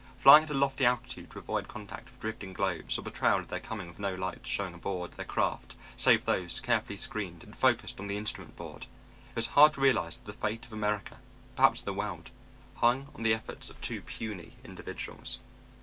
Flying at a lofty altitude to avoid contact with drifting globes or betrayal of their coming with no lights showing aboard their craft save those carefully screened and focused on the instrument board, it was hard to realize that the fate of America, perhaps of the world, hung on the efforts of two puny individuals.